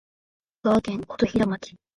香川県琴平町